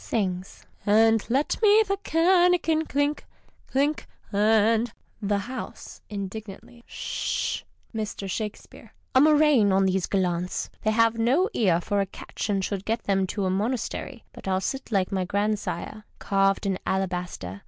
" And let me the canakin clink, clink, and '' The House {indignantly). — Sh h h ! Mr. Shakespeare. — A murrain on these gallants ! They have no ear for a catch and should get them to a monastery. But I'll sit like my grandsire, carved in alabaster.